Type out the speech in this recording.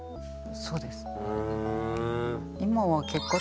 そうです。